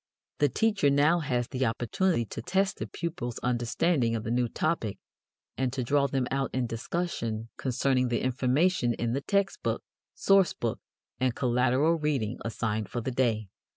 The teacher now has the opportunity to test the pupils' understanding of the new topic and to draw them out in discussion concerning the information in the text book, source book, and collateral reading assigned for the day.